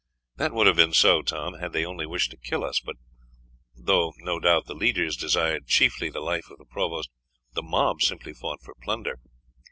"That would have been so, Tom, had they only wished to kill us; but though, no doubt, the leaders desired chiefly the life of the provost, the mob simply fought for plunder.